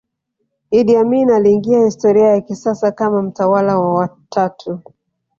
Idi Amin aliingia historia ya kisasa kama mtawala wa watu